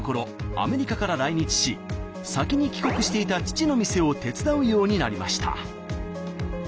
アメリカから来日し先に帰国していた父の店を手伝うようになりました。